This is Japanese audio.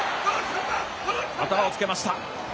頭をつけました。